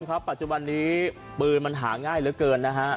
ครับปัจจุบันนี้ปืนมันหาง่ายเหลือเกินนะฮะ